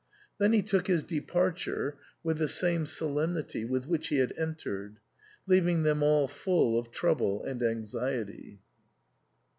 Then he took his departure with the same solemnity with which he had entered, leaving them all full of trouble and anxiety.